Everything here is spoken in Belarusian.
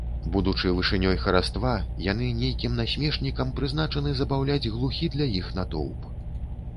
Будучы вышынёй хараства, яны нейкім насмешнікам прызначаны забаўляць глухі для іх натоўп.